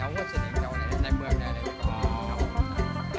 แถวเวิสเซ็นต์เองเท่าไหร่ในเมืองแหละ